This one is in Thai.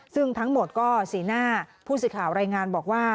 ซึ่งทั้งหมดก็สีหน้าผู้สื่อข่าวรายงานบอกว่า